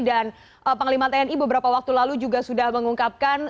dan panglima tni beberapa waktu lalu juga sudah mengungkapkan